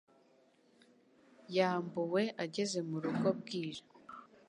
Yambuwe ageze mu rugo bwije